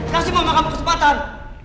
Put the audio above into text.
kasih mama kesempatan